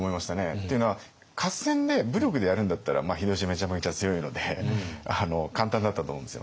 っていうのは合戦で武力でやるんだったら秀吉めちゃめちゃ強いので簡単だったと思うんですよ。